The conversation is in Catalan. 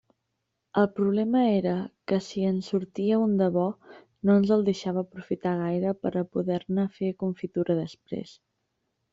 El problema era que si en sortia un de bo, no ens el deixava aprofitar gaire per a poder-ne fer confitura després.